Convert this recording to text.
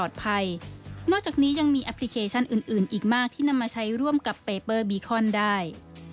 ที่นำมาใช้ร่วมกับเปเปอร์บีคอนได้